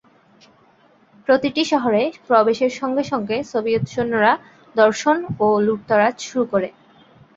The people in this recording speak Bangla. প্রতিটি শহরে প্রবেশের সঙ্গে সঙ্গে সোভিয়েত সৈন্যরা ধর্ষণ ও লুটতরাজ শুরু করে।